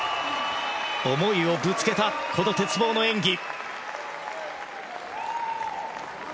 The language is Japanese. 思いをぶつけたこの鉄棒の演技。